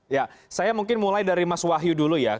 ya saya mungkin mulai dari mas wahyu dulu ya